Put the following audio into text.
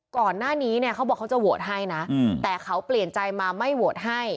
ก่อนหน้านี้เนี่ยเขาบอกเขาจะโหวตให้นะแต่เขาเปลี่ยนใจมาไม่โหวตให้